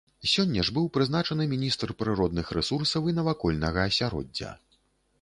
Сёння ж быў прызначаны міністр прыродных рэсурсаў і навакольнага асяроддзя.